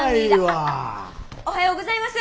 あっあっおはようございます。